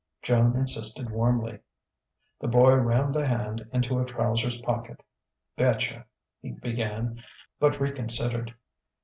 Joan insisted warmly. The boy rammed a hand into a trouser's pocket. "Betcha " he began; but reconsidered.